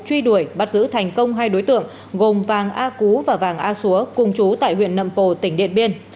truy đuổi bắt giữ thành công hai đối tượng gồm vàng a cú và vàng a xúa cùng chú tại huyện nậm pồ tỉnh điện biên